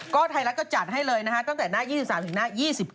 ก็ไทยรัฐก็จัดให้เลยนะคะตั้งแต่หน้า๒๓ถึงหน้า๒๙